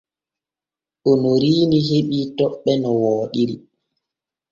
Onoriini heɓii toɓɓe no wooɗiri.